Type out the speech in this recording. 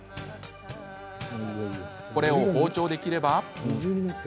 これを包丁で切れば。